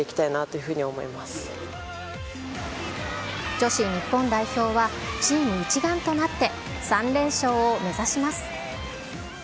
女子日本代表は、チーム一丸となって、３連勝を目指します。